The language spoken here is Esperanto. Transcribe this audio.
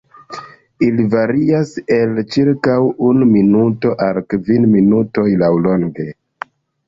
Ili varias el ĉirkaŭ unu minuto al kvin minutoj laŭlonge.